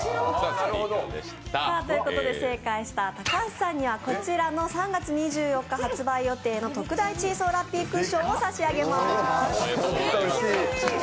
正解した高橋さんには３月２４日発売予定の特大チーソーラッピークッションを差し上げます。